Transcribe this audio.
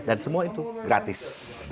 dan semua itu gratis